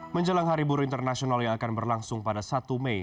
menjelang hari buruh internasional yang akan berlangsung pada satu mei